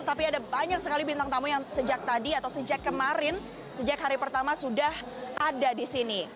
tapi ada banyak sekali bintang tamu yang sejak tadi atau sejak kemarin sejak hari pertama sudah ada di sini